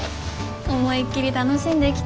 思いっきり楽しんできて。